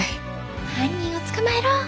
犯人を捕まえろ！